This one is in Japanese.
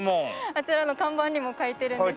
あちらの看板にも書いてるんですが。